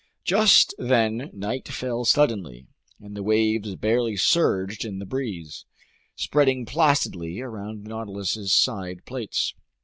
Just then night fell suddenly, and the waves barely surged in the breeze, spreading placidly around the Nautilus's side plates.